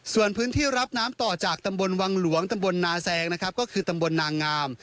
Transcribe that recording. ส่วนพื้นที่รับน้ำต่อจากตำบลวังหลวงตำบลนาแซงนะครับก็คือตำบลนางาม